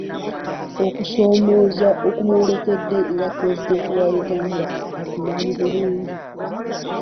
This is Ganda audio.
Okusoomooza okumwolekedde nga pulezidenti wa Uganda akumanyi bulungi.